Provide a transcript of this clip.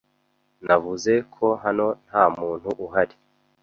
Navuze ko hano nta muntu uhari.